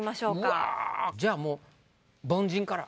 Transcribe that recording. うわじゃあもう凡人から。